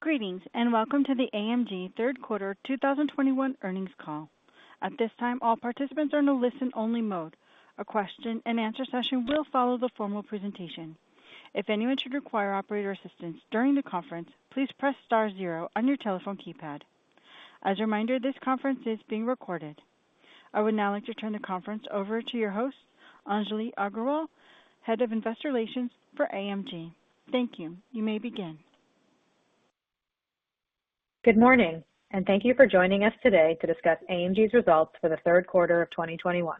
Greetings, welcome to the AMG third quarter 2021 earnings call. At this time, all participants are in a listen-only mode. A question and answer session will follow the formal presentation. If anyone should require operator assistance during the conference, please press star zero on your telephone keypad. As a reminder, this conference is being recorded. I would now like to turn the conference over to your host, Anjali Aggarwal, Head of Investor Relations for AMG. Thank you. You may begin. Good morning, and thank you for joining us today to discuss AMG's results for the third quarter of 2021.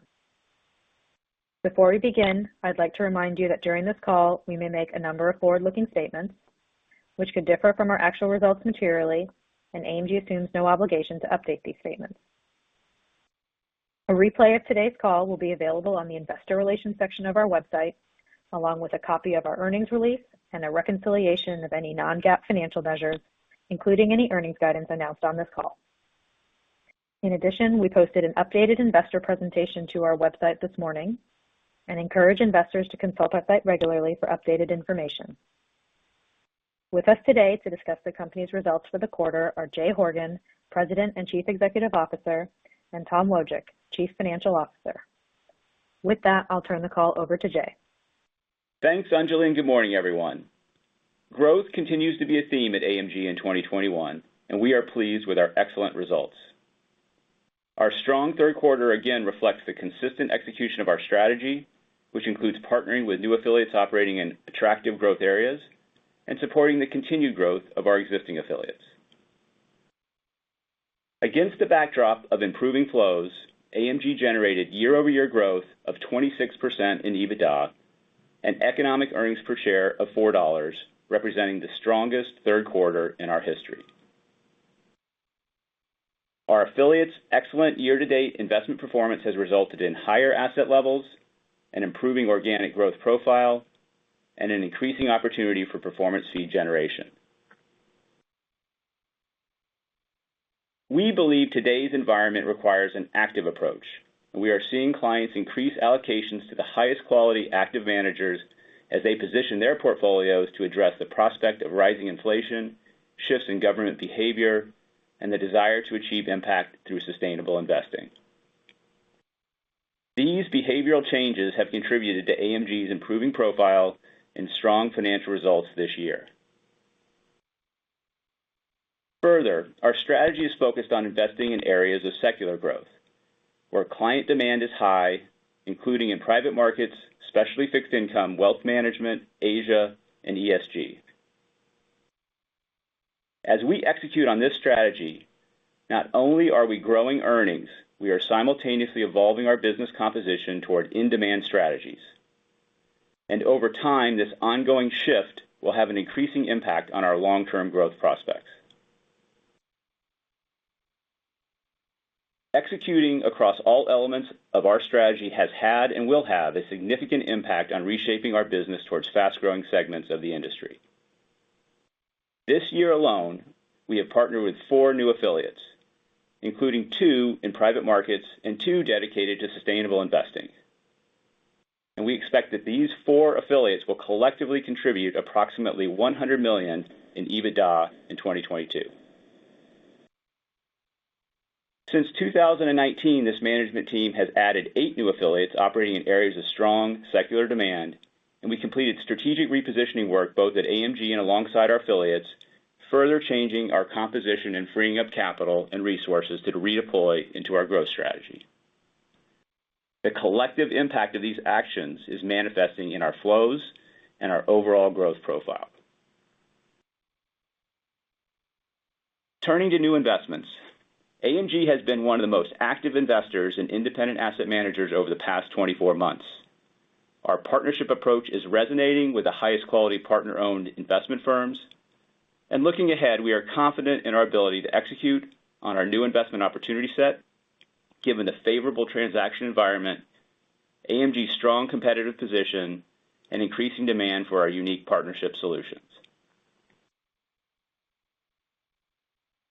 Before we begin, I'd like to remind you that during this call, we may make a number of forward-looking statements which could differ from our actual results materially, and AMG assumes no obligation to update these statements. A replay of today's call will be available on the investor relations section of our website, along with a copy of our earnings release and a reconciliation of any non-GAAP financial measures, including any earnings guidance announced on this call. In addition, we posted an updated investor presentation to our website this morning and encourage investors to consult our site regularly for updated information. With us today to discuss the company's results for the quarter are Jay Horgen, President and Chief Executive Officer, and Tom Wojcik, Chief Financial Officer. With that, I'll turn the call over to Jay. Thanks, Anjali, and good morning, everyone. Growth continues to be a theme at AMG in 2021, and we are pleased with our excellent results. Our strong third quarter again reflects the consistent execution of our strategy, which includes partnering with new affiliates operating in attractive growth areas and supporting the continued growth of our existing affiliates. Against the backdrop of improving flows, AMG generated year-over-year growth of 26% in EBITDA and economic earnings per share of $4, representing the strongest third quarter in our history. Our affiliates' excellent year-to-date investment performance has resulted in higher asset levels and improving organic growth profile and an increasing opportunity for performance fee generation. We believe today's environment requires an active approach. We are seeing clients increase allocations to the highest quality active managers as they position their portfolios to address the prospect of rising inflation, shifts in government behavior, and the desire to achieve impact through sustainable investing. These behavioral changes have contributed to AMG's improving profile and strong financial results this year. Further, our strategy is focused on investing in areas of secular growth, where client demand is high, including in private markets, specialty fixed income, wealth management, Asia, and ESG. As we execute on this strategy, not only are we growing earnings, we are simultaneously evolving our business composition toward in-demand strategies. Over time, this ongoing shift will have an increasing impact on our long-term growth prospects. Executing across all elements of our strategy has had and will have a significant impact on reshaping our business towards fast-growing segments of the industry. This year alone, we have partnered with four new affiliates, including two in private markets and two dedicated to sustainable investing. We expect that these four affiliates will collectively contribute approximately $100 million in EBITDA in 2022. Since 2019, this management team has added 8 new affiliates operating in areas of strong secular demand, and we completed strategic repositioning work both at AMG and alongside our affiliates, further changing our composition and freeing up capital and resources to redeploy into our growth strategy. The collective impact of these actions is manifesting in our flows and our overall growth profile. Turning to new investments, AMG has been one of the most active investors in independent asset managers over the past 24 months. Our partnership approach is resonating with the highest quality partner-owned investment firms. Looking ahead, we are confident in our ability to execute on our new investment opportunity set, given the favorable transaction environment, AMG's strong competitive position, and increasing demand for our unique partnership solutions.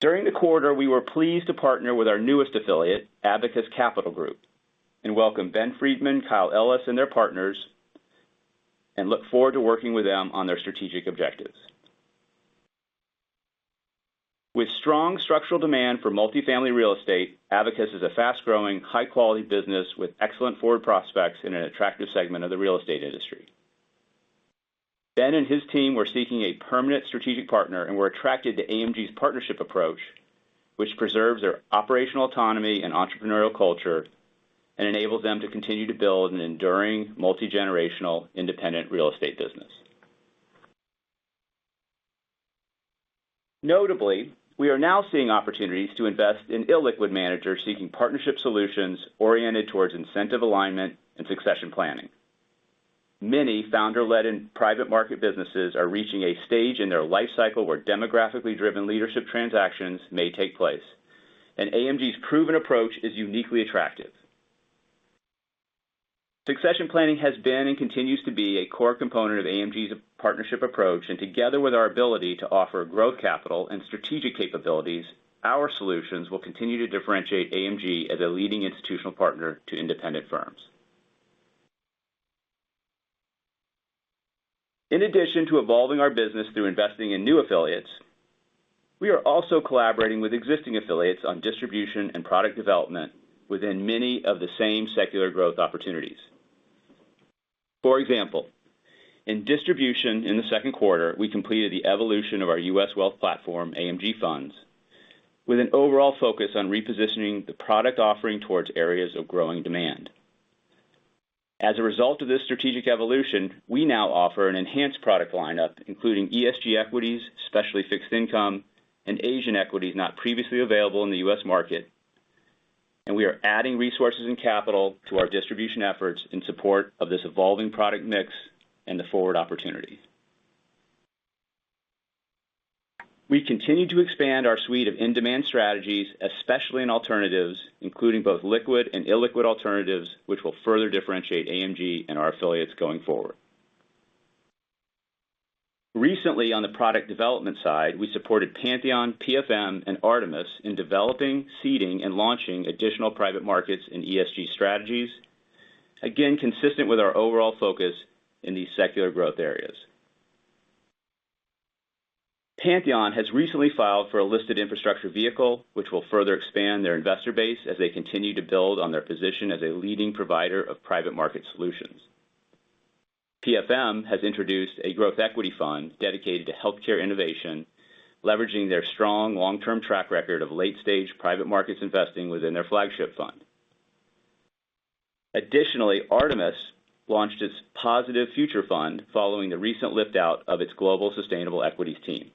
During the quarter, we were pleased to partner with our newest affiliate, Abacus Capital Group, and welcome Benjamin Friedman, Kyle Ellis, and their partners, and look forward to working with them on their strategic objectives. With strong structural demand for multi-family real estate, Abacus is a fast-growing, high-quality business with excellent forward prospects in an attractive segment of the real estate industry. Ben and his team were seeking a permanent strategic partner and were attracted to AMG's partnership approach, which preserves their operational autonomy and entrepreneurial culture and enables them to continue to build an enduring multi-generational independent real estate business. Notably, we are now seeing opportunities to invest in illiquid managers seeking partnership solutions oriented towards incentive alignment and succession planning. Many founder-led and private market businesses are reaching a stage in their life cycle where demographically driven leadership transactions may take place, and AMG's proven approach is uniquely attractive. Succession planning has been and continues to be a core component of AMG's partnership approach. Together with our ability to offer growth capital and strategic capabilities, our solutions will continue to differentiate AMG as a leading institutional partner to independent firms. In addition to evolving our business through investing in new affiliates, we are also collaborating with existing affiliates on distribution and product development within many of the same secular growth opportunities. For example, in distribution in the second quarter, we completed the evolution of our U.S. Wealth platform, AMG Funds, with an overall focus on repositioning the product offering towards areas of growing demand. As a result of this strategic evolution, we now offer an enhanced product lineup, including ESG equities, specialty fixed income, and Asian equities not previously available in the U.S. market, and we are adding resources and capital to our distribution efforts in support of this evolving product mix and the forward opportunity. We continue to expand our suite of in-demand strategies, especially in alternatives, including both liquid and illiquid alternatives, which will further differentiate AMG and our affiliates going forward. Recently, on the product development side, we supported Pantheon, PFM, and Artemis in developing, seeding, and launching additional private markets in ESG strategies. Again, consistent with our overall focus in these secular growth areas. Pantheon has recently filed for a listed infrastructure vehicle, which will further expand their investor base as they continue to build on their position as a leading provider of private market solutions. PFM has introduced a growth equity fund dedicated to healthcare innovation, leveraging their strong long-term track record of late-stage private markets investing within their flagship fund. Additionally, Artemis launched its Positive Future Fund following the recent lift-out of its global sustainable equities team.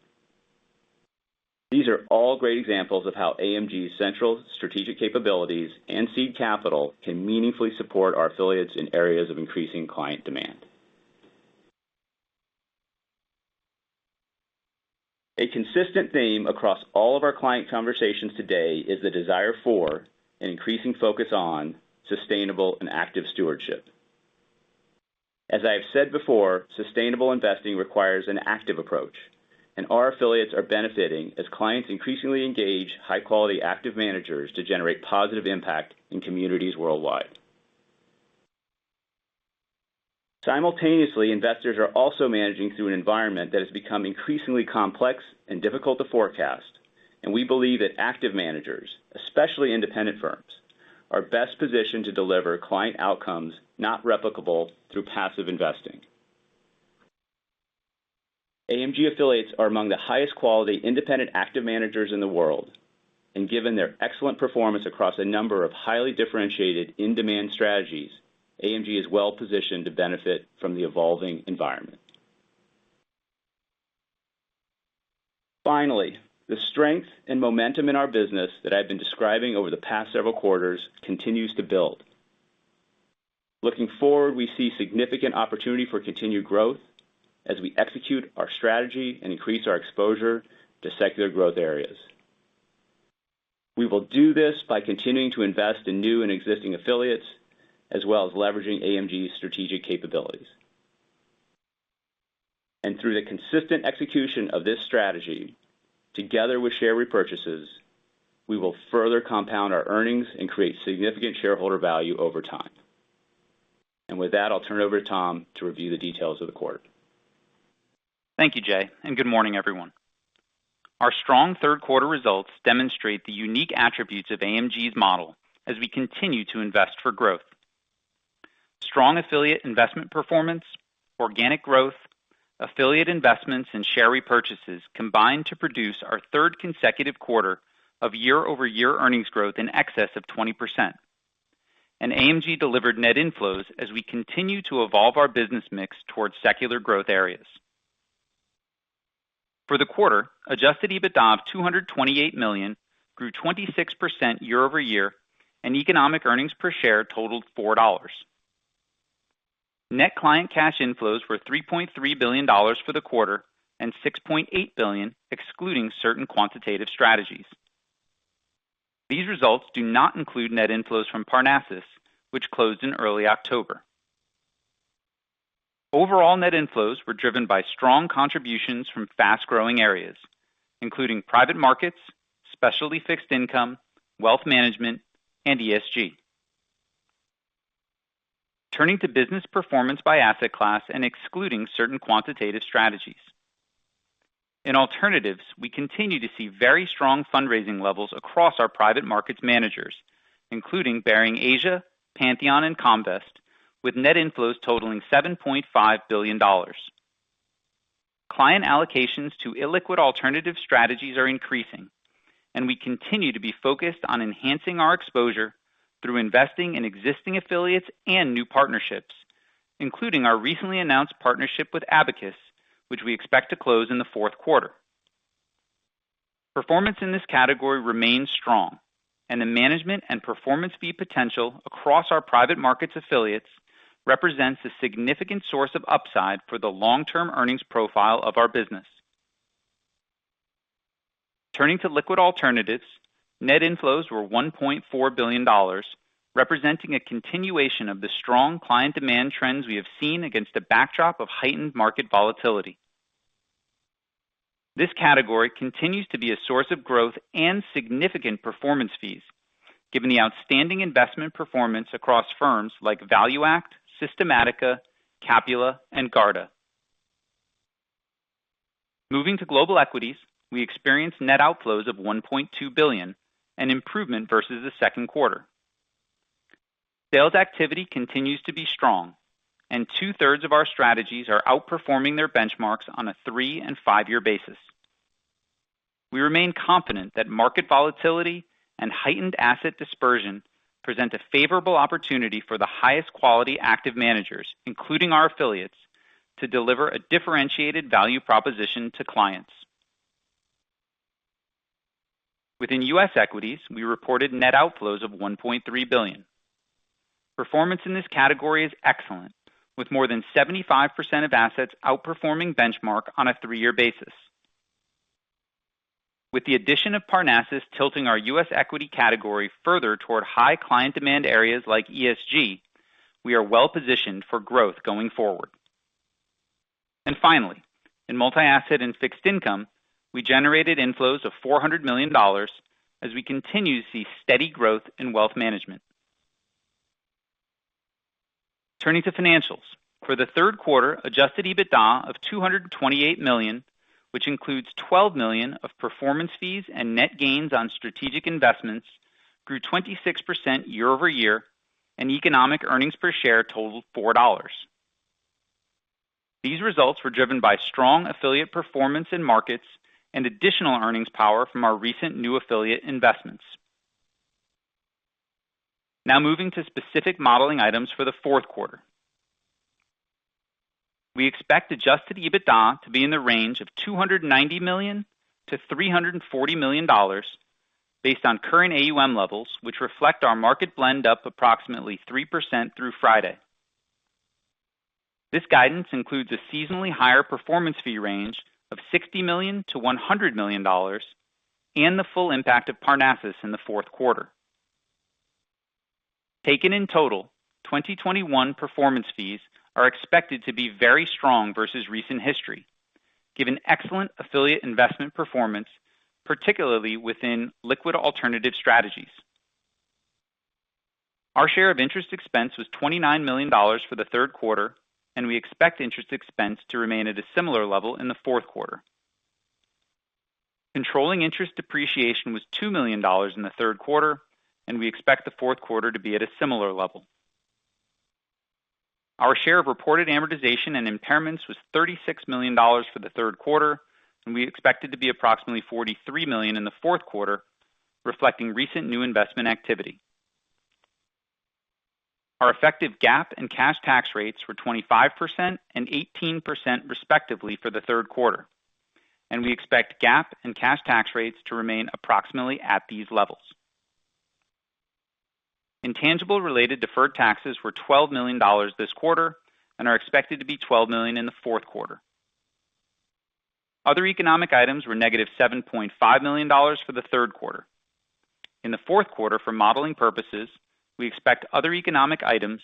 These are all great examples of how AMG's central strategic capabilities and seed capital can meaningfully support our affiliates in areas of increasing client demand. A consistent theme across all of our client conversations today is the desire for, and increasing focus on, sustainable and active stewardship. As I have said before, sustainable investing requires an active approach, and our affiliates are benefiting as clients increasingly engage high-quality active managers to generate positive impact in communities worldwide. Simultaneously, investors are also managing through an environment that has become increasingly complex and difficult to forecast, and we believe that active managers, especially independent firms, are best positioned to deliver client outcomes not replicable through passive investing. AMG affiliates are among the highest quality independent active managers in the world, and given their excellent performance across a number of highly differentiated in-demand strategies, AMG is well positioned to benefit from the evolving environment. Finally, the strength and momentum in our business that I've been describing over the past several quarters continues to build. Looking forward, we see significant opportunity for continued growth as we execute our strategy and increase our exposure to secular growth areas. We will do this by continuing to invest in new and existing affiliates, as well as leveraging AMG's strategic capabilities. Through the consistent execution of this strategy, together with share repurchases, we will further compound our earnings and create significant shareholder value over time. With that, I'll turn it over to Tom to review the details of the quarter. Thank you, Jay, and good morning, everyone. Our strong third quarter results demonstrate the unique attributes of AMG's model as we continue to invest for growth. Strong affiliate investment performance, organic growth, affiliate investments, and share repurchases combined to produce our third consecutive quarter of year-over-year earnings growth in excess of 20%. AMG delivered net inflows as we continue to evolve our business mix towards secular growth areas. For the quarter, adjusted EBITDA of $228 million grew 26% year-over-year, and economic earnings per share totaled $4. Net client cash inflows were $3.3 billion for the quarter and $6.8 billion excluding certain quantitative strategies. These results do not include net inflows from Parnassus, which closed in early October. Overall net inflows were driven by strong contributions from fast-growing areas, including private markets, specialty fixed income, wealth management, and ESG. Turning to business performance by asset class and excluding certain quantitative strategies. In alternatives, we continue to see very strong fundraising levels across our private markets managers, including Baring Asia, Pantheon, and Comvest, with net inflows totaling $7.5 billion. Client allocations to illiquid alternative strategies are increasing, and we continue to be focused on enhancing our exposure through investing in existing affiliates and new partnerships, including our recently announced partnership with Abacus, which we expect to close in the fourth quarter. Performance in this category remains strong, and the management and performance fee potential across our private markets affiliates represents a significant source of upside for the long-term earnings profile of our business. Turning to liquid alternatives, net inflows were $1.4 billion, representing a continuation of the strong client demand trends we have seen against a backdrop of heightened market volatility. This category continues to be a source of growth and significant performance fees, given the outstanding investment performance across firms like ValueAct, Systematica, Capula and Garda. Moving to global equities, we experienced net outflows of $1.2 billion, an improvement versus the second quarter. Sales activity continues to be strong and two-thirds of our strategies are outperforming their benchmarks on a three- and five-year basis. We remain confident that market volatility and heightened asset dispersion present a favorable opportunity for the highest quality active managers, including our affiliates, to deliver a differentiated value proposition to clients. Within U.S. equities, we reported net outflows of $1.3 billion. Performance in this category is excellent, with more than 75% of assets outperforming benchmark on a three-year basis. With the addition of Parnassus tilting our U.S. equity category further toward high client demand areas like ESG, we are well positioned for growth going forward. Finally, in multi-asset and fixed income, we generated inflows of $400 million as we continue to see steady growth in wealth management. Turning to financials. For the third quarter, adjusted EBITDA of $228 million, which includes $12 million of performance fees and net gains on strategic investments, grew 26% year-over-year, and economic earnings per share totaled $4. These results were driven by strong affiliate performance in markets and additional earnings power from our recent new affiliate investments. Now moving to specific modeling items for the fourth quarter. We expect adjusted EBITDA to be in the range of $290 million-$340 million based on current AUM levels, which reflect our market blend up approximately 3% through Friday. This guidance includes a seasonally higher performance fee range of $60 million-$100 million and the full impact of Parnassus in the fourth quarter. Taken in total, 2021 performance fees are expected to be very strong versus recent history, given excellent affiliate investment performance, particularly within liquid alternative strategies. Our share of interest expense was $29 million for the third quarter, and we expect interest expense to remain at a similar level in the fourth quarter. Controlling interest depreciation was $2 million in the third quarter, and we expect the fourth quarter to be at a similar level. Our share of reported amortization and impairments was $36 million for the third quarter, and we expect it to be approximately $43 million in the fourth quarter, reflecting recent new investment activity. Our effective GAAP and cash tax rates were 25% and 18% respectively for the third quarter, and we expect GAAP and cash tax rates to remain approximately at these levels. Intangible-related deferred taxes were $12 million this quarter and are expected to be $12 million in the fourth quarter. Other economic items were -$7.5 million for the third quarter. In the fourth quarter, for modeling purposes, we expect other economic items,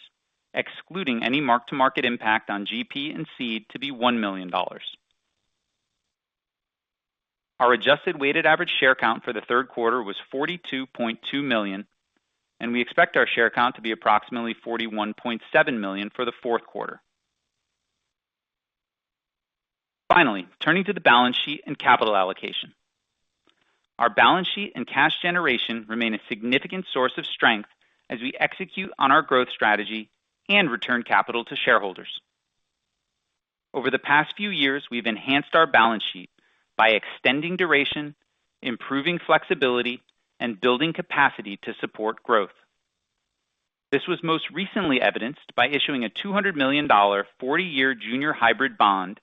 excluding any mark-to-market impact on GP and seed, to be $1 million. Our adjusted weighted average share count for the third quarter was 42.2 million, and we expect our share count to be approximately 41.7 million for the fourth quarter. Finally, turning to the balance sheet and capital allocation. Our balance sheet and cash generation remain a significant source of strength as we execute on our growth strategy and return capital to shareholders. Over the past few years, we've enhanced our balance sheet by extending duration, improving flexibility, and building capacity to support growth. This was most recently evidenced by issuing a $200 million 40-year junior hybrid bond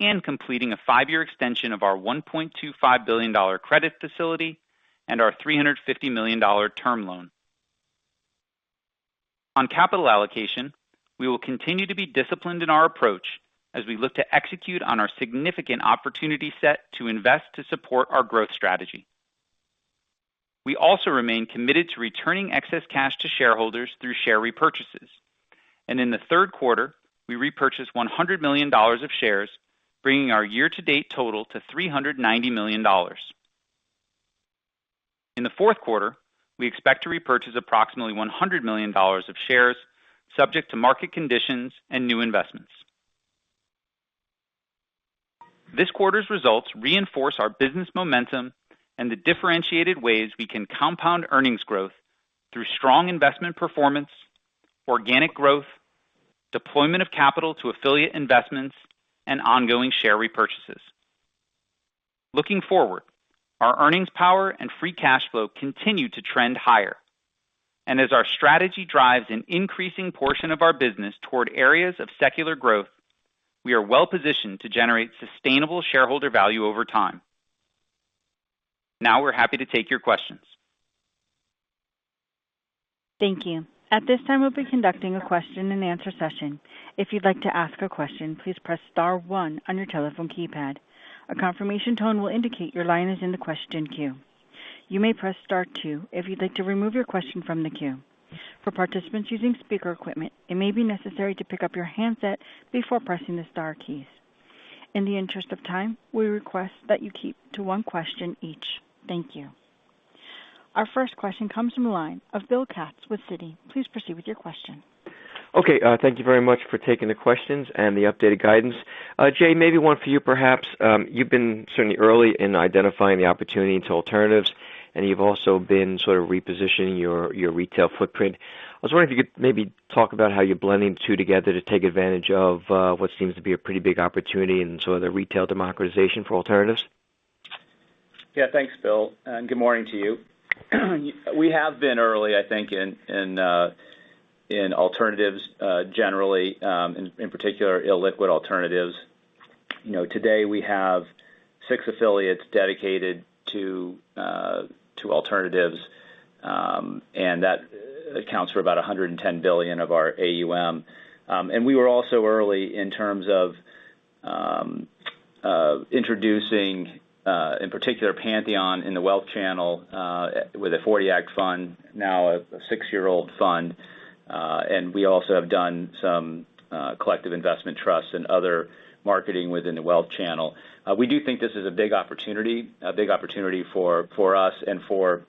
and completing a 5-year extension of our $1.25 billion credit facility and our $350 million term loan. On capital allocation, we will continue to be disciplined in our approach as we look to execute on our significant opportunity set to invest to support our growth strategy. We also remain committed to returning excess cash to shareholders through share repurchases. In the third quarter, we repurchased $100 million of shares, bringing our year-to-date total to $390 million. In the fourth quarter, we expect to repurchase approximately $100 million of shares subject to market conditions and new investments. This quarter's results reinforce our business momentum and the differentiated ways we can compound earnings growth through strong investment performance, organic growth, deployment of capital to affiliate investments, and ongoing share repurchases. Looking forward, our earnings power and free cash flow continue to trend higher. As our strategy drives an increasing portion of our business toward areas of secular growth, we are well positioned to generate sustainable shareholder value over time. Now we're happy to take your questions. Thank you. At this time, we'll be conducting a question-and-answer session. If you'd like to ask a question, please press star one on your telephone keypad. A confirmation tone will indicate your line is in the question queue. You may press star two if you'd like to remove your question from the queue. For participants using speaker equipment, it may be necessary to pick up your handset before pressing the star keys. In the interest of time, we request that you keep to one question each. Thank you. Our first question comes from the line of Bill Katz with Citi. Please proceed with your question. Okay, thank you very much for taking the questions and the updated guidance. Jay, maybe one for you perhaps. You've been certainly early in identifying the opportunity to alternatives, and you've also been sort of repositioning your retail footprint. I was wondering if you could maybe talk about how you're blending two together to take advantage of what seems to be a pretty big opportunity in some of the retail democratization for alternatives. Yeah, thanks Bill, and good morning to you. We have been early, I think in alternatives, generally, in particular illiquid alternatives. You know, today we have six affiliates dedicated to alternatives. And that accounts for about $110 billion of our AUM. And we were also early in terms of introducing, in particular Pantheon in the wealth channel, with a '40 Act fund, now a six-year-old fund. And we also have done some collective investment trusts and other marketing within the wealth channel. We do think this is a big opportunity for us and for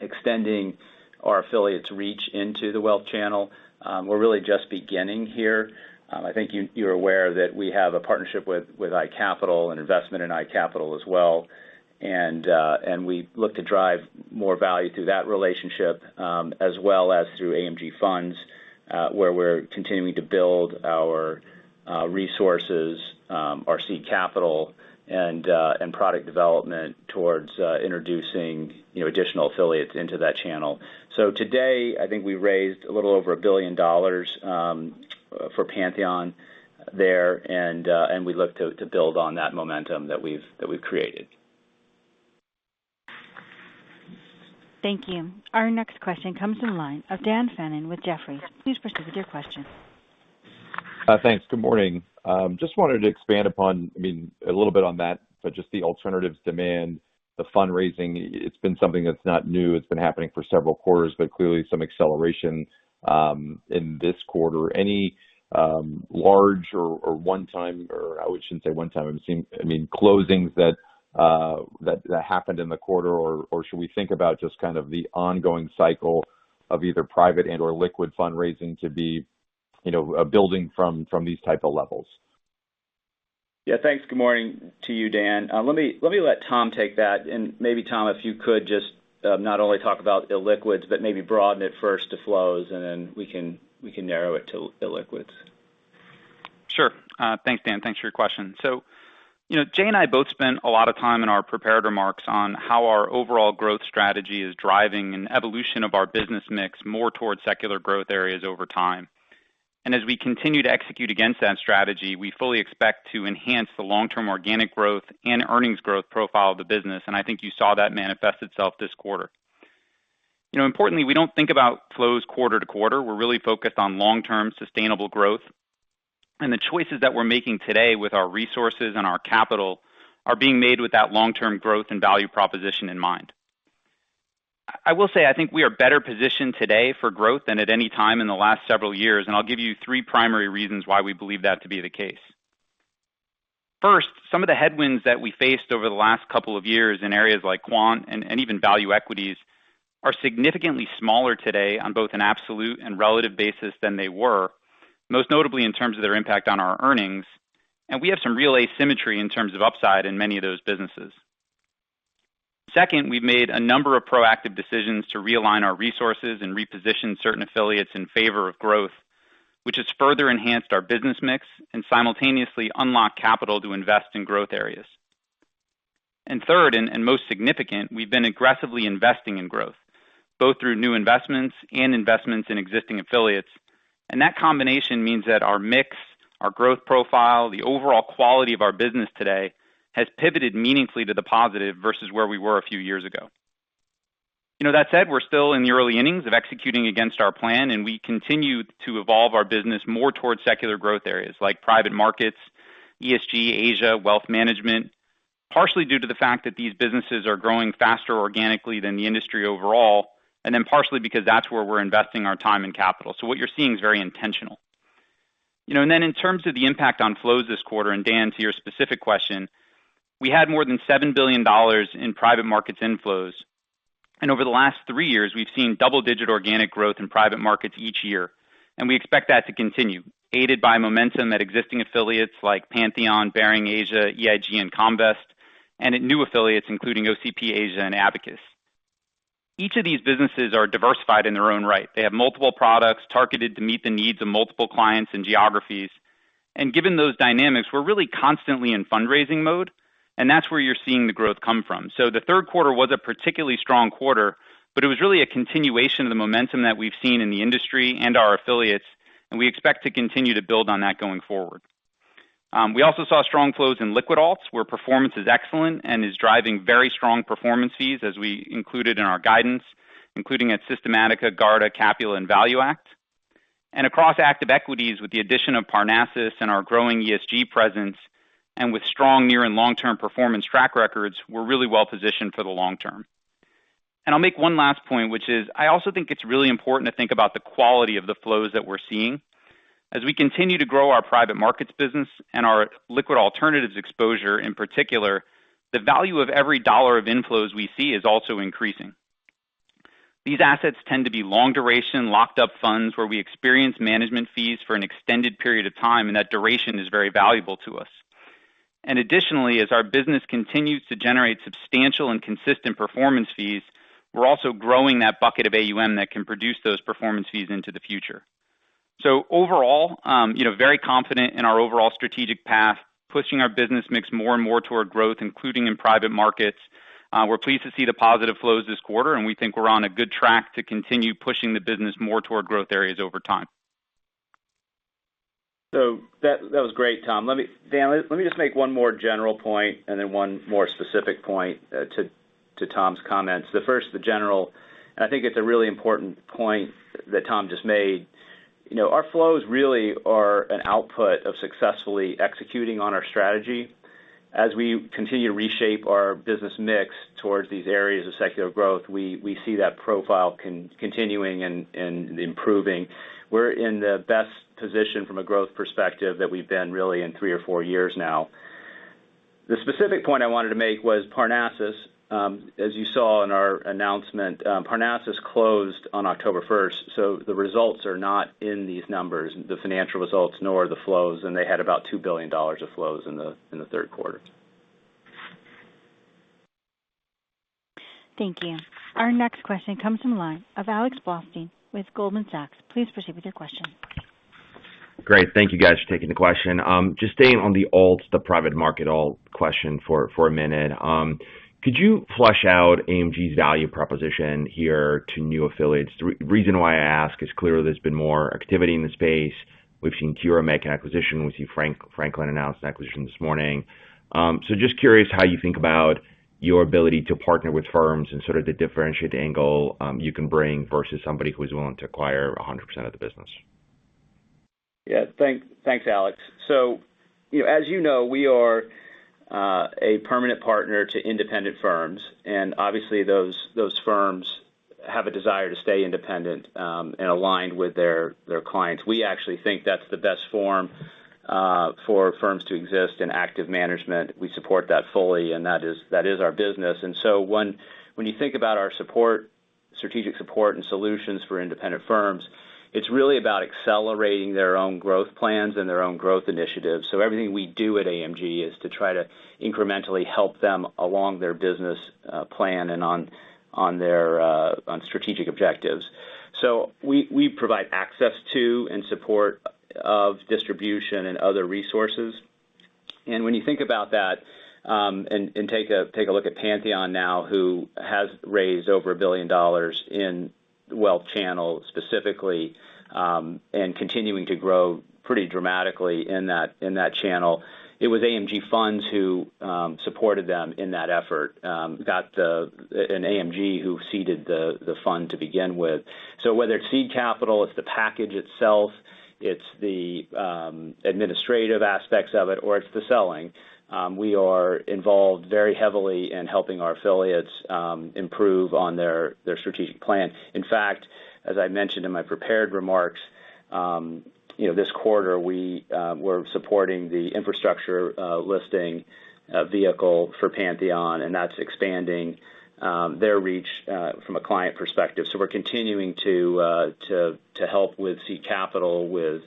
extending our affiliates reach into the wealth channel. We're really just beginning here. I think you're aware that we have a partnership with iCapital and investment in iCapital as well. We look to drive more value through that relationship, as well as through AMG Funds, where we're continuing to build our resources, our seed capital and product development towards introducing, you know, additional affiliates into that channel. Today, I think we raised a little over $1 billion for Pantheon there. We look to build on that momentum that we've created. Thank you. Our next question comes in line of Daniel Fannon with Jefferies. Please proceed with your question. Thanks. Good morning. Just wanted to expand upon, I mean, a little bit on that, but just the alternatives demand, the fundraising. It's been something that's not new. It's been happening for several quarters, but clearly some acceleration in this quarter. Any large or one time, or I shouldn't say one time, it seemed, I mean, closings that happened in the quarter or should we think about just kind of the ongoing cycle of either private and/or liquid fundraising to be, you know, building from these type of levels? Yeah, thanks. Good morning to you, Dan. Let me let Tom take that. Maybe Tom, if you could just not only talk about illiquids, but maybe broaden it first to flows and then we can narrow it to illiquids. Sure. Thanks, Dan. Thanks for your question. You know, Jay and I both spent a lot of time in our prepared remarks on how our overall growth strategy is driving an evolution of our business mix more towards secular growth areas over time. As we continue to execute against that strategy, we fully expect to enhance the long-term organic growth and earnings growth profile of the business. I think you saw that manifest itself this quarter. You know, importantly, we don't think about flows quarter to quarter. We're really focused on long-term sustainable growth. The choices that we're making today with our resources and our capital are being made with that long-term growth and value proposition in mind. I will say I think we are better positioned today for growth than at any time in the last several years, and I'll give you three primary reasons why we believe that to be the case. First, some of the headwinds that we faced over the last couple of years in areas like quant and even value equities are significantly smaller today on both an absolute and relative basis than they were, most notably in terms of their impact on our earnings, and we have some real asymmetry in terms of upside in many of those businesses. Second, we've made a number of proactive decisions to realign our resources and reposition certain affiliates in favor of growth, which has further enhanced our business mix and simultaneously unlock capital to invest in growth areas. Third and most significant, we've been aggressively investing in growth, both through new investments and investments in existing affiliates. That combination means that our mix, our growth profile, the overall quality of our business today has pivoted meaningfully to the positive versus where we were a few years ago. You know, that said, we're still in the early innings of executing against our plan, and we continue to evolve our business more towards secular growth areas like private markets, ESG, Asia, wealth management, partially due to the fact that these businesses are growing faster organically than the industry overall, and then partially because that's where we're investing our time and capital. What you're seeing is very intentional. You know, in terms of the impact on flows this quarter, and Dan, to your specific question, we had more than $7 billion in private markets inflows. Over the last three years, we've seen double-digit organic growth in private markets each year. We expect that to continue, aided by momentum at existing affiliates like Pantheon, Baring Asia, EIG and Comvest, and at new affiliates, including OCP Asia and Abacus. Each of these businesses are diversified in their own right. They have multiple products targeted to meet the needs of multiple clients and geographies. Given those dynamics, we're really constantly in fundraising mode, and that's where you're seeing the growth come from. The third quarter was a particularly strong quarter, but it was really a continuation of the momentum that we've seen in the industry and our affiliates, and we expect to continue to build on that going forward. We also saw strong flows in liquid alts, where performance is excellent and is driving very strong performance fees as we included in our guidance, including at Systematica, Garda, Capula and ValueAct. Across active equities, with the addition of Parnassus and our growing ESG presence, and with strong near and long-term performance track records, we're really well positioned for the long term. I'll make one last point, which is, I also think it's really important to think about the quality of the flows that we're seeing. As we continue to grow our private markets business and our liquid alternatives exposure, in particular, the value of every dollar of inflows we see is also increasing. These assets tend to be long duration, locked up funds where we experience management fees for an extended period of time, and that duration is very valuable to us. Additionally, as our business continues to generate substantial and consistent performance fees, we're also growing that bucket of AUM that can produce those performance fees into the future. Overall, you know, very confident in our overall strategic path, pushing our business mix more and more toward growth, including in private markets. We're pleased to see the positive flows this quarter, and we think we're on a good track to continue pushing the business more toward growth areas over time. That was great, Tom. Let me just make one more general point and then one more specific point to Tom's comments. The first, the general, and I think it's a really important point that Tom just made. You know, our flows really are an output of successfully executing on our strategy. As we continue to reshape our business mix towards these areas of secular growth, we see that profile continuing and improving. We're in the best position from a growth perspective that we've been really in three or four years now. The specific point I wanted to make was Parnassus. As you saw in our announcement, Parnassus closed on October first, so the results are not in these numbers, the financial results, nor the flows, and they had about $2 billion of flows in the third quarter. Thank you. Our next question comes from the line of Alexander Blostein with Goldman Sachs. Please proceed with your question. Great. Thank you guys for taking the question. Just staying on the alts, the private market alt question for a minute. Could you flesh out AMG's value proposition here to new affiliates? The reason why I ask is clearly there's been more activity in the space. We've seen Cura make an acquisition. We see Franklin announce an acquisition this morning. So just curious how you think about your ability to partner with firms and sort of the differentiated angle you can bring versus somebody who's willing to acquire 100% of the business. Yeah, thanks, Alex. You know, as you know, we are a permanent partner to independent firms, and obviously those firms have a desire to stay independent and aligned with their clients. We actually think that's the best form for firms to exist in active management. We support that fully, and that is our business. When you think about our support, strategic support, and solutions for independent firms, it's really about accelerating their own growth plans and their own growth initiatives. Everything we do at AMG is to try to incrementally help them along their business plan and on their strategic objectives. We provide access to and support of distribution and other resources. When you think about that, take a look at Pantheon now, who has raised over $1 billion in wealth channel specifically, and continuing to grow pretty dramatically in that channel. It was AMG Funds who supported them in that effort, and AMG, who seeded the fund to begin with. Whether it's seed capital, it's the package itself, it's the administrative aspects of it, or it's the selling, we are involved very heavily in helping our affiliates improve on their strategic plan. In fact, as I mentioned in my prepared remarks, you know, this quarter, we're supporting the infrastructure listing vehicle for Pantheon, and that's expanding their reach from a client perspective. We're continuing to help with seed capital with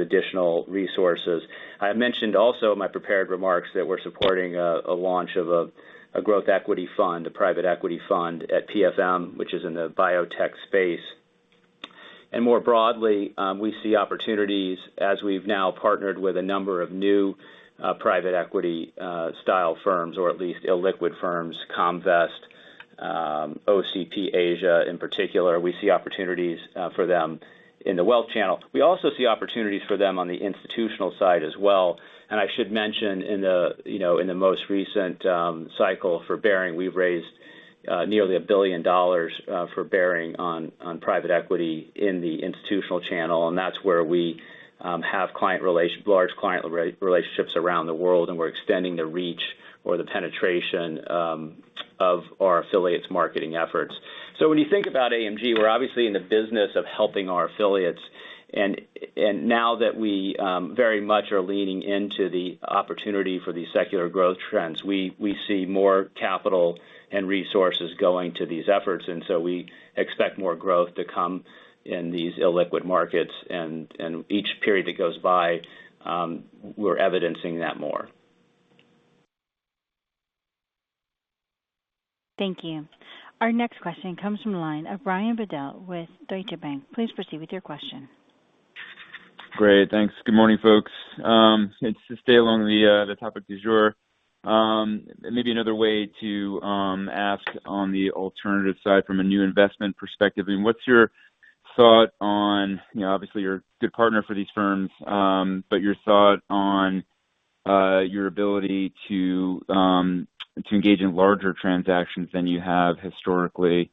additional resources. I mentioned also in my prepared remarks that we're supporting a launch of a growth equity fund, a private equity fund at PFM, which is in the biotech space. More broadly, we see opportunities as we've now partnered with a number of new private equity style firms or at least illiquid firms, Comvest, OCP Asia in particular. We see opportunities for them in the wealth channel. We also see opportunities for them on the institutional side as well. I should mention in the most recent cycle for Baring, we've raised nearly $1 billion for Baring on private equity in the institutional channel. That's where we have large client relationships around the world, and we're extending the reach or the penetration of our affiliates' marketing efforts. When you think about AMG, we're obviously in the business of helping our affiliates. Now that we very much are leaning into the opportunity for these secular growth trends, we see more capital and resources going to these efforts, and so we expect more growth to come in these illiquid markets. Each period that goes by, we're evidencing that more. Thank you. Our next question comes from the line of Brian Bedell with Deutsche Bank. Please proceed with your question. Great. Thanks. Good morning, folks. To stay on the topic du jour, maybe another way to ask on the alternative side from a new investment perspective. I mean, what's your thought on, you know, obviously you're a good partner for these firms, but your thought on Your ability to engage in larger transactions than you have historically.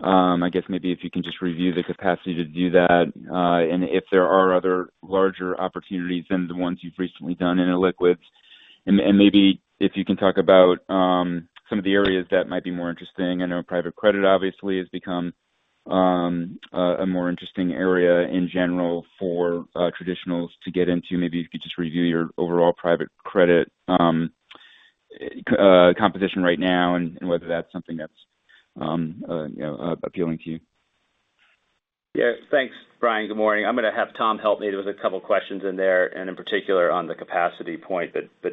I guess maybe if you can just review the capacity to do that, and if there are other larger opportunities than the ones you've recently done in illiquids. Maybe if you can talk about some of the areas that might be more interesting. I know private credit obviously has become a more interesting area in general for traditionals to get into. Maybe if you could just review your overall private credit composition right now and whether that's something that's you know, appealing to you. Yeah. Thanks, Brian. Good morning. I'm gonna have Tom help me. There was a couple questions in there, and in particular on the capacity point.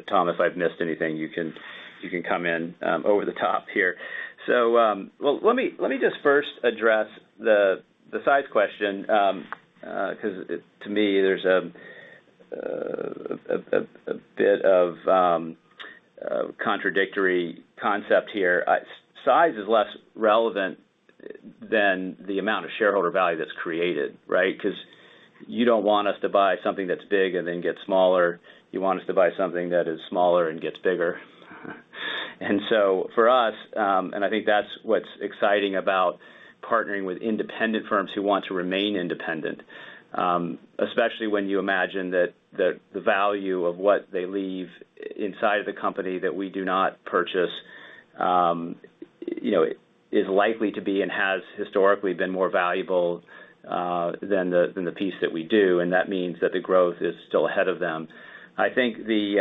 Tom, if I've missed anything, you can come in over the top here. Well, let me just first address the size question, 'cause it to me, there's a bit of contradictory concept here. Size is less relevant than the amount of shareholder value that's created, right? 'Cause you don't want us to buy something that's big and then gets smaller. You want us to buy something that is smaller and gets bigger. For us, and I think that's what's exciting about partnering with independent firms who want to remain independent, especially when you imagine that, the value of what they leave inside of the company that we do not purchase, you know, is likely to be and has historically been more valuable than the piece that we do. That means that the growth is still ahead of them. I think the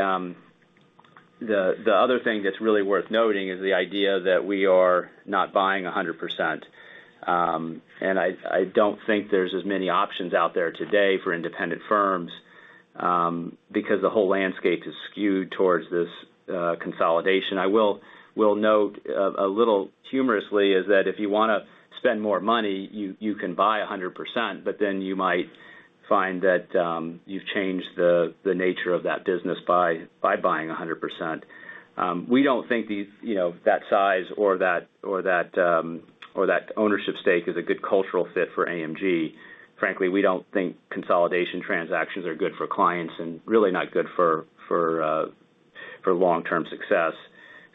other thing that's really worth noting is the idea that we are not buying 100%. I don't think there's as many options out there today for independent firms, because the whole landscape is skewed towards this consolidation. I will note a little humorously that if you wanna spend more money, you can buy 100%, but then you might find that you've changed the nature of that business by buying 100%. We don't think these, you know, that size or that ownership stake is a good cultural fit for AMG. Frankly, we don't think consolidation transactions are good for clients and really not good for long-term success.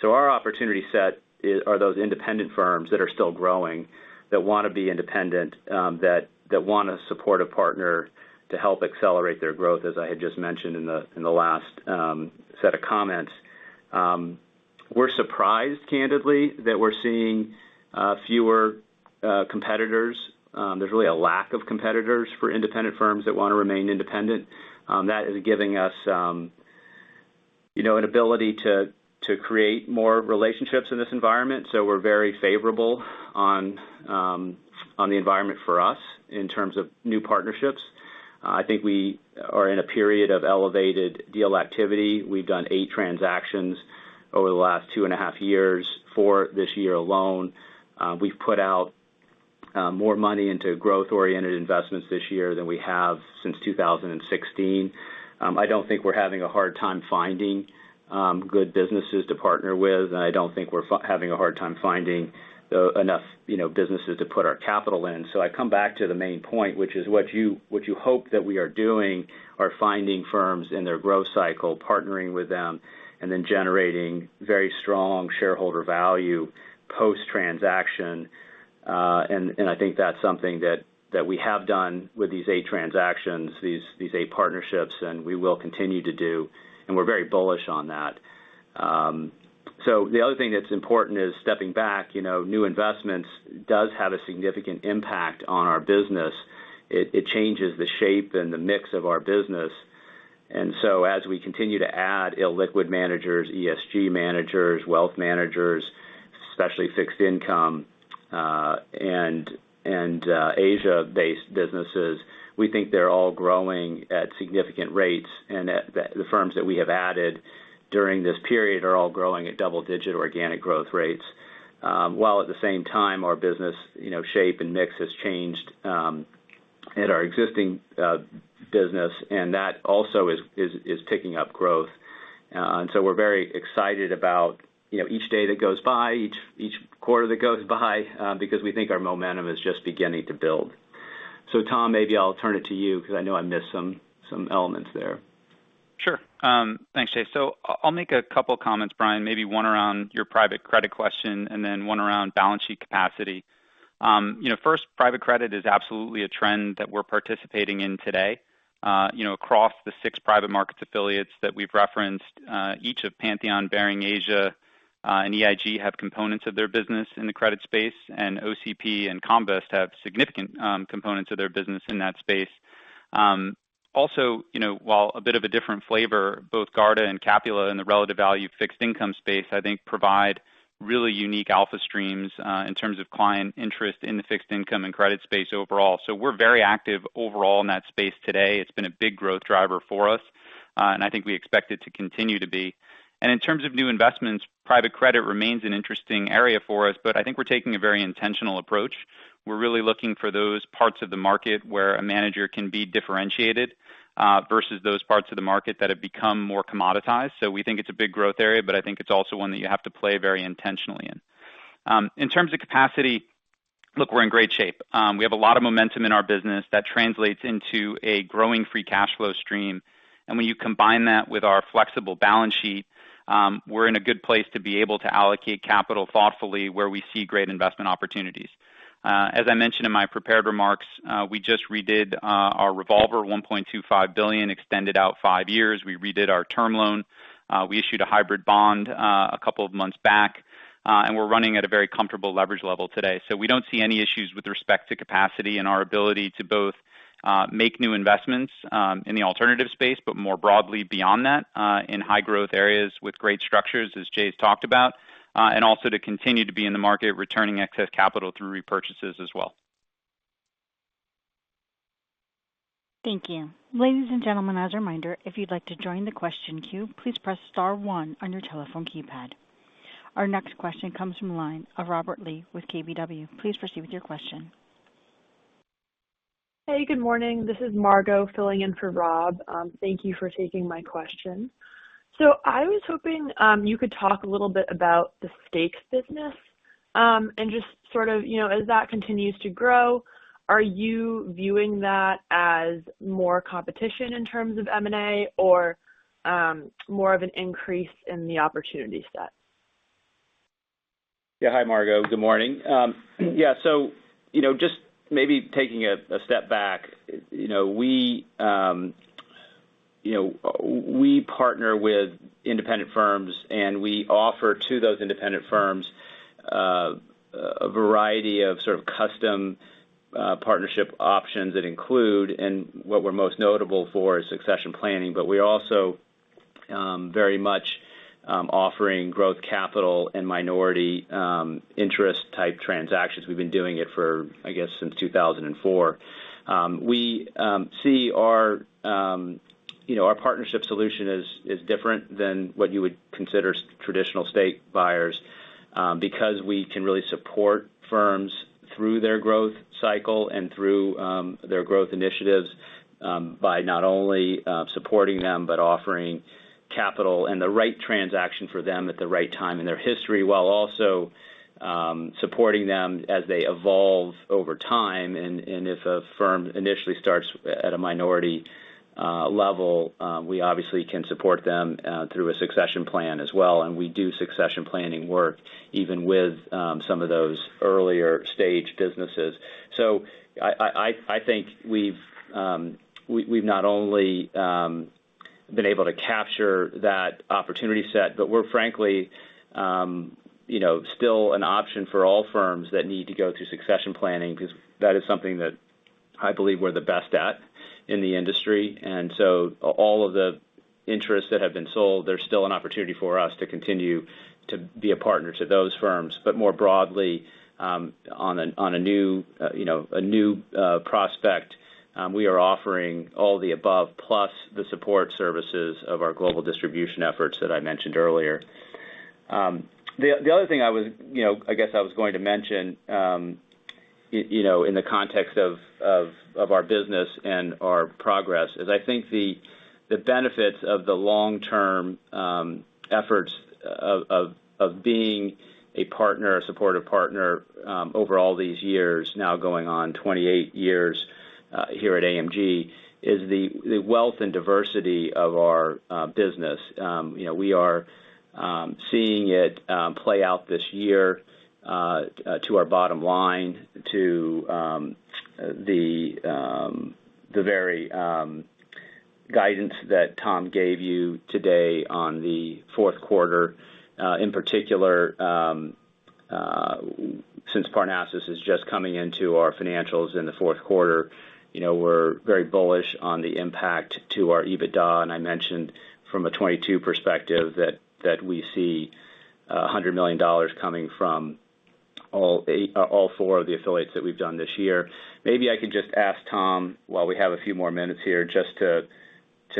Our opportunity set is those independent firms that are still growing, that wanna be independent, that wanna support a partner to help accelerate their growth, as I had just mentioned in the last set of comments. We're surprised candidly that we're seeing fewer competitors. There's really a lack of competitors for independent firms that wanna remain independent. That is giving us, you know, an ability to create more relationships in this environment. We're very favorable on the environment for us in terms of new partnerships. I think we are in a period of elevated deal activity. We've done eight transactions over the last two and a half years. For this year alone, we've put out more money into growth-oriented investments this year than we have since 2016. I don't think we're having a hard time finding good businesses to partner with, and I don't think we're having a hard time finding enough, you know, businesses to put our capital in. I come back to the main point, which is what you hope that we are doing are finding firms in their growth cycle, partnering with them, and then generating very strong shareholder value post-transaction. I think that's something that we have done with these eight transactions, these eight partnerships, and we will continue to do, and we're very bullish on that. The other thing that's important is stepping back. You know, new investments does have a significant impact on our business. It changes the shape and the mix of our business. As we continue to add illiquid managers, ESG managers, wealth managers, especially fixed income, and Asia-based businesses, we think they're all growing at significant rates. The firms that we have added during this period are all growing at double-digit organic growth rates. While at the same time, our business, you know, shape and mix has changed, at our existing business, and that also is ticking up growth. We're very excited about, you know, each day that goes by, each quarter that goes by because we think our momentum is just beginning to build. Tom, maybe I'll turn it to you 'cause I know I missed some elements there. Sure. Thanks, Chase. I'll make a couple comments, Brian, maybe one around your private credit question and then one around balance sheet capacity. You know, first, private credit is absolutely a trend that we're participating in today. You know, across the six private markets affiliates that we've referenced, each of Pantheon, Baring Asia, and EIG have components of their business in the credit space, and OCP and Comvest have significant components of their business in that space. Also, you know, while a bit of a different flavor, both Garda and Capula in the relative value fixed income space, I think provide really unique alpha streams, in terms of client interest in the fixed income and credit space overall. We're very active overall in that space today. It's been a big growth driver for us, and I think we expect it to continue to be. In terms of new investments, private credit remains an interesting area for us, but I think we're taking a very intentional approach. We're really looking for those parts of the market where a manager can be differentiated versus those parts of the market that have become more commoditized. We think it's a big growth area, but I think it's also one that you have to play very intentionally in. In terms of capacity, look, we're in great shape. We have a lot of momentum in our business that translates into a growing free cash flow stream. When you combine that with our flexible balance sheet, we're in a good place to be able to allocate capital thoughtfully where we see great investment opportunities. As I mentioned in my prepared remarks, we just redid our revolver $1.25 billion extended out five years. We redid our term loan. We issued a hybrid bond a couple of months back, and we're running at a very comfortable leverage level today. We don't see any issues with respect to capacity and our ability to both make new investments in the alternative space, but more broadly beyond that, in high growth areas with great structures, as Jay's talked about, and also to continue to be in the market, returning excess capital through repurchases as well. Thank you. Ladies and gentlemen, as a reminder, if you'd like to join the question queue, please press star one on your telephone keypad. Our next question comes from the line of Robert Lee with KBW. Please proceed with your question. Hey, good morning. This is Margo filling in for Rob. Thank you for taking my question. I was hoping you could talk a little bit about the stakes business and just sort of, you know, as that continues to grow, are you viewing that as more competition in terms of M&A or more of an increase in the opportunity set? Yeah. Hi, Margo. Good morning. Just maybe taking a step back, you know, we partner with independent firms, and we offer to those independent firms a variety of sort of custom partnership options that include, and what we're most notable for is succession planning. We also very much offering growth capital and minority interest type transactions. We've been doing it for, I guess, since 2004. We see our, you know, our partnership solution is different than what you would consider traditional stake buyers, because we can really support firms through their growth cycle and through their growth initiatives, by not only supporting them but offering capital and the right transaction for them at the right time in their history, while also supporting them as they evolve over time. If a firm initially starts at a minority level, we obviously can support them through a succession plan as well, and we do succession planning work even with some of those earlier stage businesses. I think we've not only been able to capture that opportunity set, but we're frankly, you know, still an option for all firms that need to go through succession planning because that is something that I believe we're the best at in the industry. All of the interests that have been sold, there's still an opportunity for us to continue to be a partner to those firms. More broadly, on a new prospect, we are offering all the above plus the support services of our global distribution efforts that I mentioned earlier. The other thing I was, you know, I guess I was going to mention, you know, in the context of our business and our progress is I think the benefits of the long-term efforts of being a partner, a supportive partner, over all these years now going on 28 years here at AMG, is the wealth and diversity of our business. You know, we are seeing it play out this year to our bottom line to the very guidance that Tom gave you today on the fourth quarter. In particular, since Parnassus is just coming into our financials in the fourth quarter, you know, we're very bullish on the impact to our EBITDA. I mentioned from a 2022 perspective that we see $100 million coming from all four of the affiliates that we've done this year. Maybe I could just ask Tom while we have a few more minutes here just to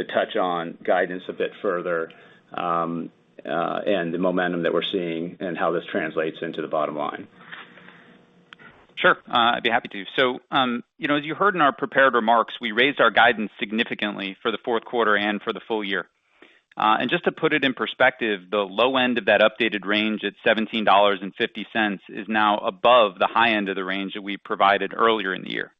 touch on guidance a bit further, and the momentum that we're seeing and how this translates into the bottom line. Sure. I'd be happy to. You know, as you heard in our prepared remarks, we raised our guidance significantly for the fourth quarter and for the full year. Just to put it in perspective, the low end of that updated range at $17.50 is now above the high end of the range that we provided earlier in the year.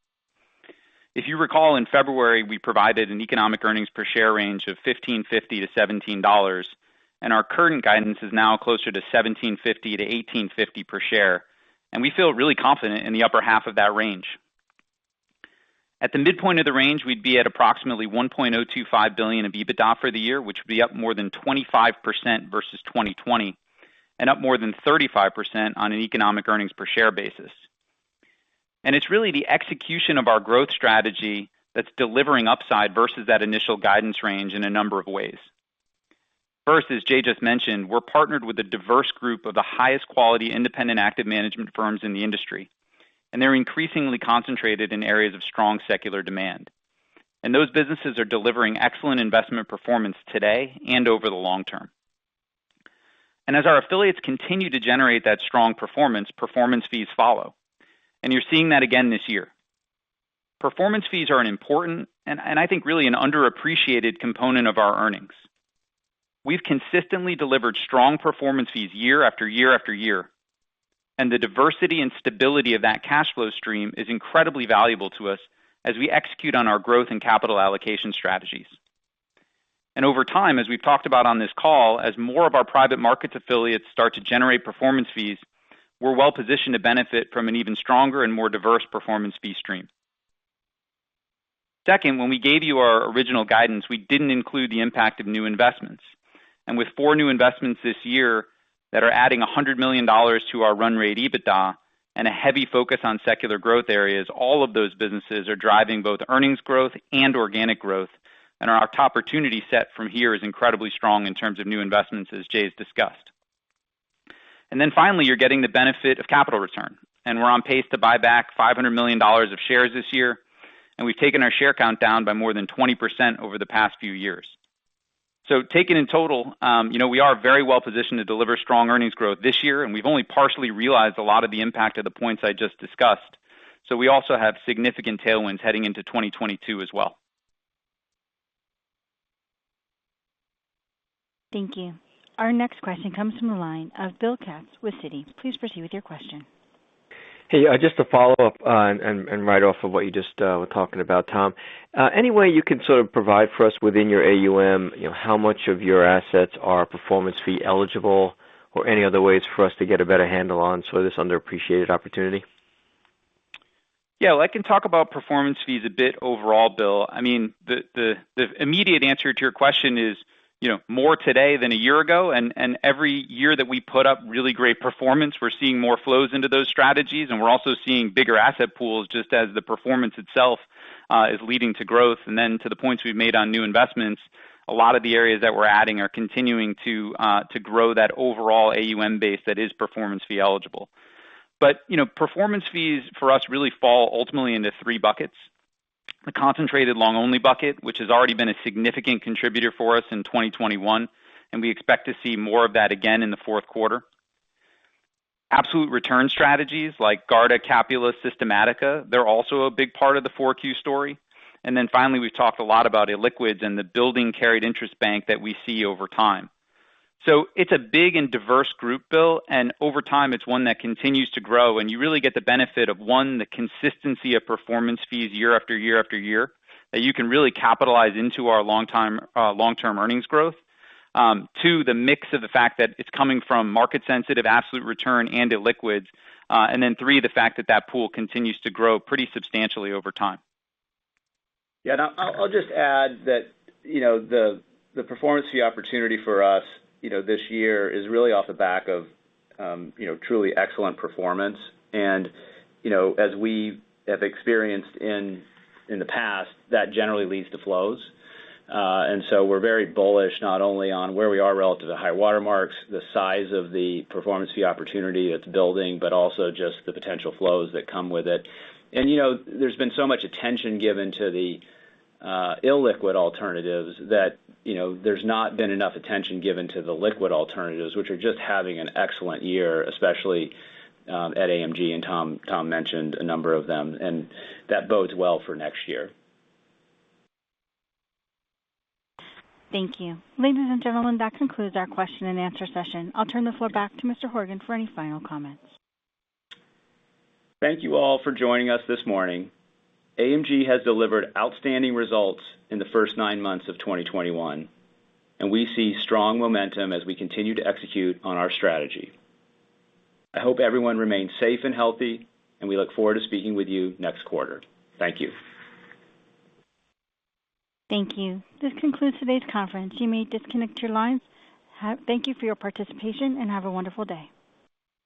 If you recall, in February, we provided an economic earnings per share range of $15.50-$17, and our current guidance is now closer to $17.50-$18.50 per share. We feel really confident in the upper half of that range. At the midpoint of the range, we'd be at approximately $1.025 billion of EBITDA for the year, which would be up more than 25% versus 2020, and up more than 35% on an economic earnings per share basis. It's really the execution of our growth strategy that's delivering upside versus that initial guidance range in a number of ways. First, as Jay just mentioned, we're partnered with a diverse group of the highest quality independent active management firms in the industry, and they're increasingly concentrated in areas of strong secular demand. Those businesses are delivering excellent investment performance today and over the long term. As our affiliates continue to generate that strong performance fees follow. You're seeing that again this year. Performance fees are an important and I think really an underappreciated component of our earnings. We've consistently delivered strong performance fees year after year after year, and the diversity and stability of that cash flow stream is incredibly valuable to us as we execute on our growth and capital allocation strategies. Over time, as we've talked about on this call, as more of our private markets affiliates start to generate performance fees, we're well-positioned to benefit from an even stronger and more diverse performance fee stream. Second, when we gave you our original guidance, we didn't include the impact of new investments. With four new investments this year that are adding $100 million to our run rate EBITDA and a heavy focus on secular growth areas, all of those businesses are driving both earnings growth and organic growth. Our opportunity set from here is incredibly strong in terms of new investments, as Jay's discussed. Then finally, you're getting the benefit of capital return, and we're on pace to buy back $500 million of shares this year. We've taken our share count down by more than 20% over the past few years. Taken in total, you know, we are very well-positioned to deliver strong earnings growth this year, and we've only partially realized a lot of the impact of the points I just discussed. We also have significant tailwinds heading into 2022 as well. Thank you. Our next question comes from the line of Bill Katz with Citi. Please proceed with your question. Hey, just to follow up on and right off of what you just were talking about, Tom. Any way you can sort of provide for us within your AUM, you know, how much of your assets are performance fee eligible or any other ways for us to get a better handle on sort of this underappreciated opportunity? Yeah, well, I can talk about performance fees a bit overall, Bill. I mean, the immediate answer to your question is, you know, more today than a year ago. Every year that we put up really great performance, we're seeing more flows into those strategies, and we're also seeing bigger asset pools, just as the performance itself is leading to growth. To the points we've made on new investments, a lot of the areas that we're adding are continuing to grow that overall AUM base that is performance fee eligible. You know, performance fees for us really fall ultimately into three buckets. The concentrated long-only bucket, which has already been a significant contributor for us in 2021, and we expect to see more of that again in the fourth quarter. Absolute return strategies like Garda, Capula, Systematica, they're also a big part of the 4Q story. Then finally, we've talked a lot about illiquids and the building carried interest bank that we see over time. It's a big and diverse group, Bill, and over time, it's one that continues to grow. You really get the benefit of, one, the consistency of performance fees year after year after year that you can really capitalize into our longtime, long-term earnings growth. Two, the mix of the fact that it's coming from market sensitive absolute return and illiquids. And then three, the fact that that pool continues to grow pretty substantially over time. Yeah, I'll just add that, you know, the performance fee opportunity for us, you know, this year is really off the back of truly excellent performance. You know, as we have experienced in the past, that generally leads to flows. We're very bullish, not only on where we are relative to high water marks, the size of the performance fee opportunity that's building, but also just the potential flows that come with it. You know, there's been so much attention given to the illiquid alternatives that, you know, there's not been enough attention given to the liquid alternatives, which are just having an excellent year, especially at AMG. Tom mentioned a number of them, and that bodes well for next year. Thank you. Ladies and gentlemen, that concludes our question and answer session. I'll turn the floor back to Mr. Horgen for any final comments. Thank you all for joining us this morning. AMG has delivered outstanding results in the first nine months of 2021, and we see strong momentum as we continue to execute on our strategy. I hope everyone remains safe and healthy, and we look forward to speaking with you next quarter. Thank you. Thank you. This concludes today's conference. You may disconnect your lines. Thank you for your participation, and have a wonderful day.